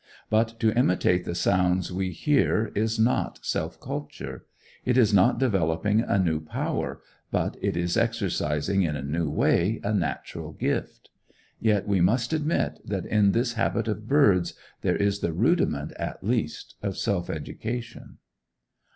But to imitate the sounds we hear is not self culture. It is not developing a new power, but it is exercising in a new way a natural gift. Yet we must admit that in this habit of birds there is the rudiment, at least, of self education.